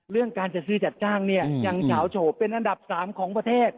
เรื่องการจัดซื้อจัดจ้างเนี่ยยังเฉาโฉเป็นอันดับ๓ของประเทศ